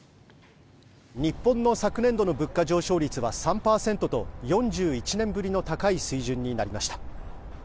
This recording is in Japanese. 日本の昨年度の物価上昇率は３％と４１年ぶりの高い水準になりました。